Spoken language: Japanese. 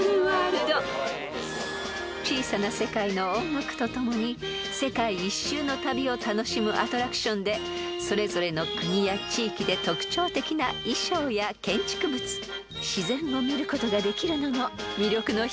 ［『小さな世界』の音楽とともに世界一周の旅を楽しむアトラクションでそれぞれの国や地域で特徴的な衣装や建築物自然を見ることができるのも魅力の一つ］